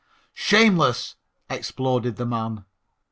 "Shameless," exploded the man.